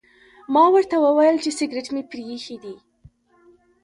ما ورته وویل چې سګرټ مې پرې ایښي دي.